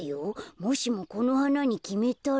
もしもこのはなにきめたら。